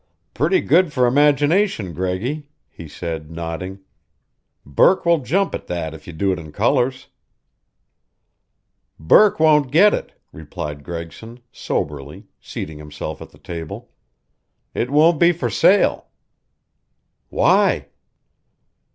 "Pretty good for imagination, Greggy," he said, nodding. "Burke will jump at that if you do it in colors." "Burke won't get it," replied Gregson, soberly, seating himself at the table. "It won't be for sale." "Why?"